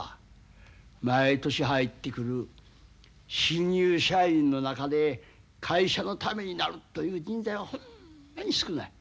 毎年入ってくる新入社員の中で会社のためになるという人材はホンマに少ない。